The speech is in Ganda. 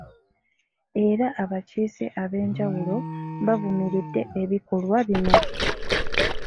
Era abakiise ab'enjawulo baavumiridde ebikolwa bino